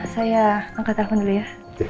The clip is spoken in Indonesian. saya angkat telepon dulu ya